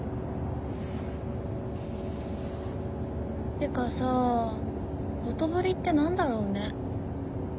てかさ「ほとぼり」って何だろうね。